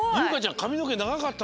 かみのけながかったのにね。